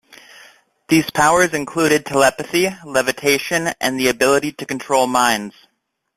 These powers included telepathy, levitation, and the ability to control minds.